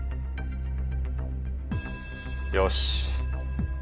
よし！